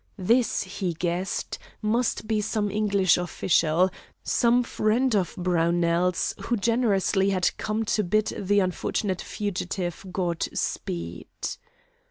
This, he guessed, must be some English official, some friend of Brownell's who generously had come to bid the unfortunate fugitive Godspeed.